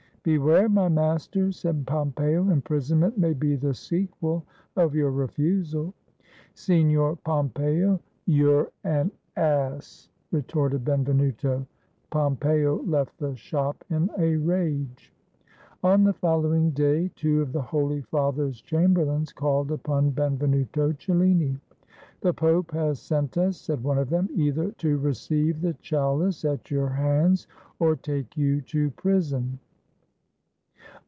"Beware, my master," said Pompeo; "imprisonment may be the sequel of your refusal." " Signor Pompeo, you 're an ass !" retorted Benvenuto. Pompeo left the shop in a rage. On the following day two of the Holy Father's chamberlains called upon Benvenuto Cellini. "The Pope has sent us," said one of them, "either to receive the chalice at your hands, or take you to prison."